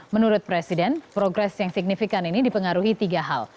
menurut presiden progres yang signifikan ini dipengaruhi tiga hal